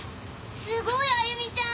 すごい歩美ちゃん！